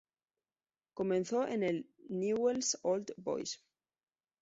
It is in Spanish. Comenzó en el Newell's Old Boys.